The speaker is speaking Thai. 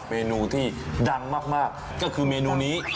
เมนูที่ดังมากก็คือเมนูนี้